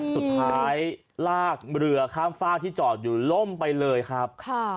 สุดท้ายลากเรือข้ามฝากที่จอดอยู่ล่มไปเลยครับ